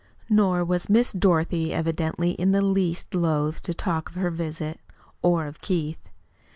Nor was Miss Dorothy evidently in the least loath to talk of her visit or of Keith.